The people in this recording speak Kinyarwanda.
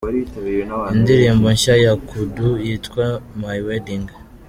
Indirimbo nshya ya Koudou yitwa My Wedding:.